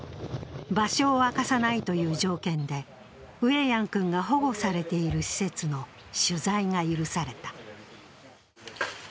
場所を明かさないという条件で、ウェヤン君が保護されている施設の取材が許された。